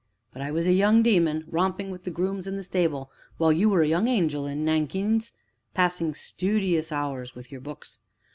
But I was a young demon, romping with the grooms in the stable, while you were a young angel in nankeens, passing studious hours with your books.